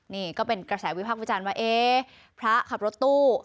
นี่ก็เป็นกระแสวิพักษ์วิจารณ์ว่าเอ๊ะพระขับรถตู้